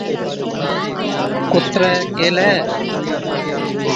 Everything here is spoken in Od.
ڪُتري ڪيهلَي،